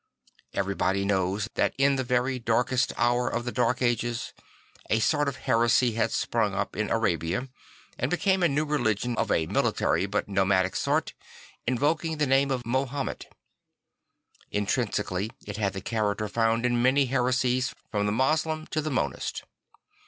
Everybody knows that in the very darkest hour of the Dark Ages a sort of heresy had sprung up in Arabia and become a new religion of a military but nomadic sort, invoking the name of Mahomet. Intrin sically it had a chai'acter found in many heresies from the Moslem to the Monist.